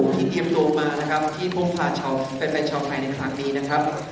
พี่เตรียมโดโมมานะครับที่พ่อทะเชาะแฟนชาวไทยในครั้งนี้นะครับ